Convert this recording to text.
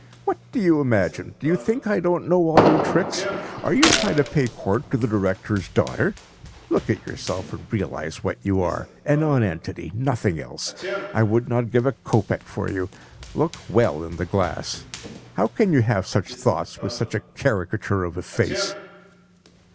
What do you imagine? Do you think I don't know all your tricks? Are you trying to pay court to the director's daughter? Look at yourself and realise what you are! A nonentity, nothing else. I would not give a kopeck for you. Look well in the glass. How can you have such thoughts with such a caricature of a face?"